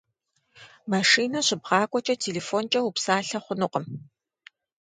Машинэ щыбгъакӏуэкӏэ телефонкӏэ упсалъэ хъунукъым.